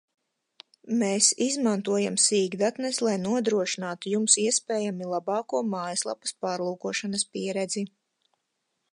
Mēs izmantojam sīkdatnes, lai nodrošinātu Jums iespējami labāko mājaslapas pārlūkošanas pieredzi